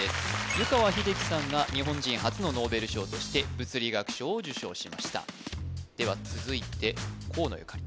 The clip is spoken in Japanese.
湯川秀樹さんが日本人初のノーベル賞として物理学賞を受賞しましたでは続いて河野ゆかり